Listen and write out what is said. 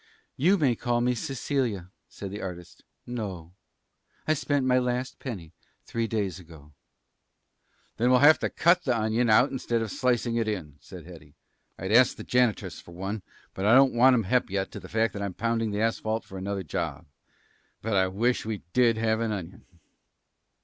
"You may call me Cecilia," said the artist. "No; I spent my last penny three days ago." "Then we'll have to cut the onion out instead of slicing it in," said Hetty. "I'd ask the janitress for one, but I don't want 'em hep just yet to the fact that I'm pounding the asphalt for another job. But I wish we did have an onion."